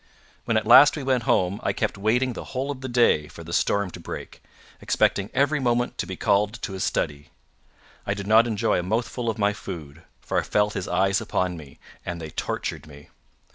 When at last we went home, I kept waiting the whole of the day for the storm to break, expecting every moment to be called to his study. I did not enjoy a mouthful of my food, for I felt his eyes upon me, and they tortured me.